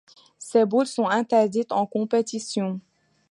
Ces boules sont interdites en compétition.